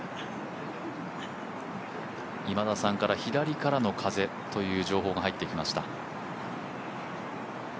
今田さんから左からの風という情報が入ってきました。